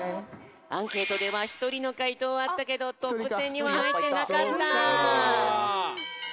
アンケートではひとりのかいとうはあったけどトップテンにははいってなかった。